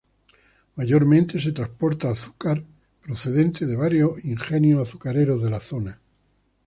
Mayormente se transporta azúcar procedente de varios ingenios azucareros de la zona.